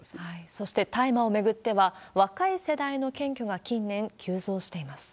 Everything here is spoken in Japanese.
そして大麻を巡っては、若い世代の検挙が近年、急増しています。